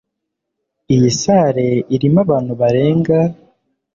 Iyi salle irimo abantu barenga ..